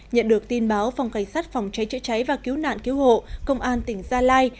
nhận được tin báo phòng cảnh sát phòng cháy chữa cháy và cứu nạn cứu hộ công an tỉnh gia lai